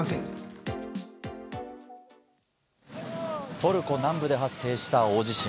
トルコ南部で発生した大地震。